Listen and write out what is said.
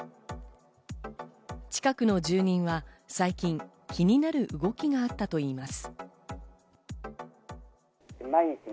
近くの住民は最近気になる動きがあったといいます。